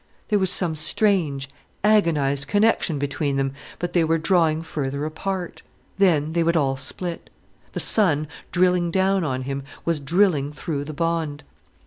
There was some strange, agonized connection between them, but they were drawing further apart. Then they would all split. The sun, drilling down on him, was drilling through the bond.